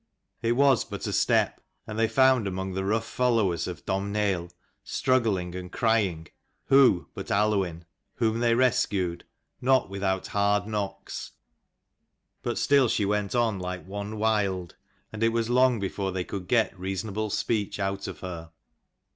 It was but a step, and they found among the rough followers of Domhnaill, struggling and crying, who but Aluinn ? whom they rescued, not without hard knocks. But still she went on like one wild, and it was long before they could get reasonable 216 speech out of her.